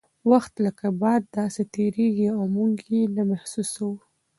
وخت لکه باد داسې تیریږي او موږ یې نه محسوسوو.